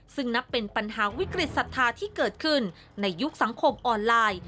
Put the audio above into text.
ซึ่งนับเป็นปัญหาวิกฤตศรัทธาที่เกิดขึ้นในยุคสังคมออนไลน์